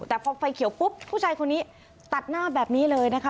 แต่พอไฟเขียวปุ๊บผู้ชายคนนี้ตัดหน้าแบบนี้เลยนะคะ